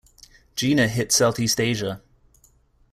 Jeana hit southeast Asia.